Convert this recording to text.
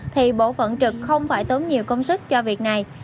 thì bộ phận trực không phải tốn nhiều công sức cho việc này